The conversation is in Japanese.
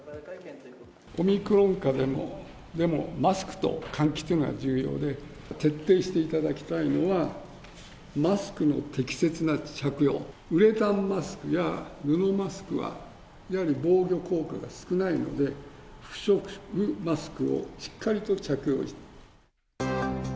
オミクロン下でもマスクと換気というのが重要で、徹底していただきたいのは、マスクの適切な着用、ウレタンマスクや布マスクは、いわゆる防御効果が少ないので、不織布マスクをしっかりと着用して。